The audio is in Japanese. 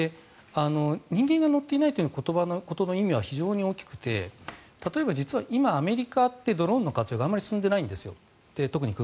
人間が乗っていないという言葉の意味は非常に大きくて例えば、実は今、アメリカってドローンの活用があまり進んでいないんですよ。